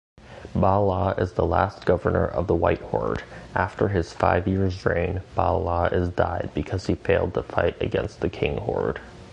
Ba La is the last governor of the White Horde.After his five years’ reign, Ba La is died because he failed to fight against the King Horde.